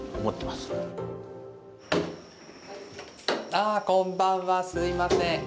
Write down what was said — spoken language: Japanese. ああ、こんばんは、すいません。